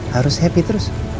harus happy terus